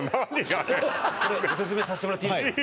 あれこれご説明させてもらっていいですか？